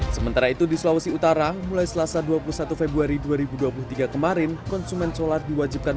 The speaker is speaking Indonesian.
sementara itu di sulawesi utara mulai selasa dua puluh satu februari dua ribu dua puluh tiga kemarin konsumen solar diwajibkan